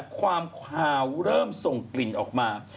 ความคาวเริ่มส่งกลิ่นออกมา